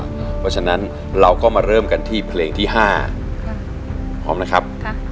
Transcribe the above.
เพราะฉะนั้นเราก็มาเริ่มกันที่เพลงที่๕พร้อมนะครับ